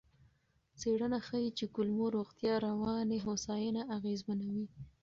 څېړنه ښيي چې کولمو روغتیا رواني هوساینه اغېزمنوي.